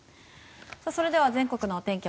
それでは全国のお天気